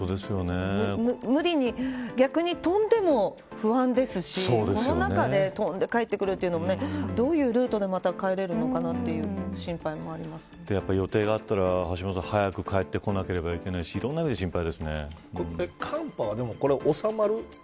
無理に、逆に飛んでも不安ですしこの中で帰ってくるというのもどういうルートでまた帰れるのかな予定があったら、橋下さん早く帰ってこなければいけないしいろんな意味で心配ですね。